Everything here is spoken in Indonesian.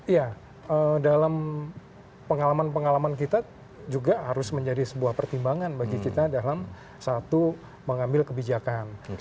ya dalam pengalaman pengalaman kita juga harus menjadi sebuah pertimbangan bagi kita dalam satu mengambil kebijakan